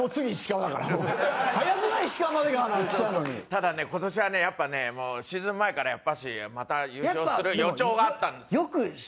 ただね今年はねやっぱねシーズン前からやっぱりまた優勝する予兆があったんですよ。